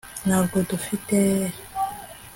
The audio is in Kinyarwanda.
ntabwo dufite